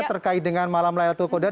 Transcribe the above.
terkait dengan malam laylatul qadar